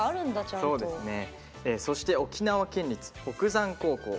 そして、沖縄県立北山高校。